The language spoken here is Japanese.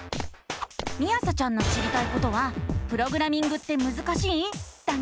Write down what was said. みあさちゃんの知りたいことは「プログラミングってむずかしい⁉」だね！